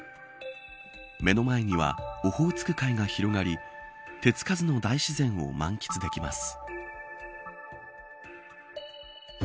目の前にはオホーツク海が広がり手付かずの大自然を満喫できます。